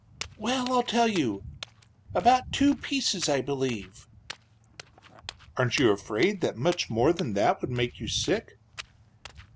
"Well, I'll tell you. About two pieces, I believe." "Aren't you afraid that much more than that would make you sick?"